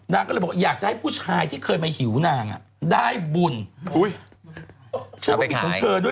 นางก็เลยบอกอยากจะให้ผู้ชายที่เคยมาหิวนางได้บุญ